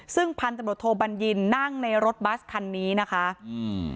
ซึ่งพันตำรวจโทบัญญินนั่งในรถบัสคันนี้นะคะอืม